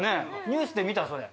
ニュースで見たそれ。